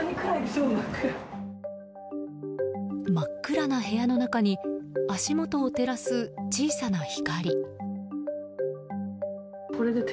真っ暗な部屋の中に足元を照らす小さな光。